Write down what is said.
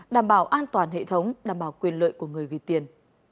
đảm bảo an toàn hệ thống đảm bảo quyền lợi của người ghi tiền